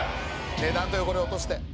値段と汚れ落として。